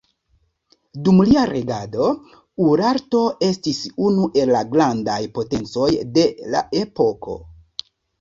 Dum lia regado, Urarto estis unu el la grandaj potencoj de la epoko.